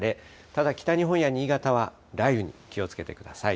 ただ、北日本や新潟は雷雨に気をつけてください。